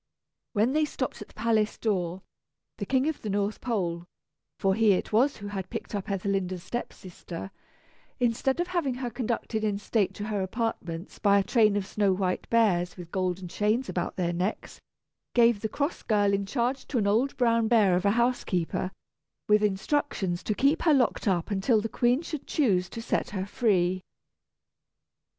When they stopped at the palace door, the King of the North Pole (for he it was who had picked up Ethelinda's step sister), instead of having her conducted in state to her apartments by a train of snow white bears with golden chains about their necks, gave the cross girl in charge to an old brown bear of a housekeeper, with instructions to keep her locked up until the Queen should choose to set her free.